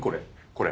これ。